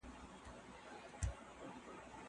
وَأَنجَيْنَا مُوسَىٰ وَمَن مَّعَهُ أَجْمَعِينَ.